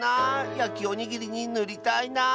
やきおにぎりにぬりたいなあ。